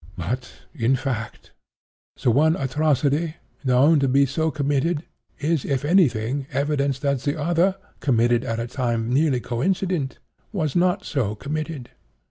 But, in fact, the one atrocity, known to be so committed, is, if any thing, evidence that the other, committed at a time nearly coincident, was not so committed.